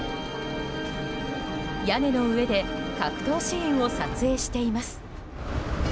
屋根の上で格闘シーンを撮影しています。